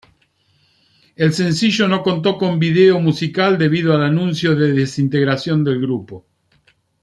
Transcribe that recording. El sencillo no contó con video musical debido al anuncio de desintegración del grupo.